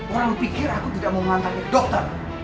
orang pikir aku tidak mau mengantar dia ke dokter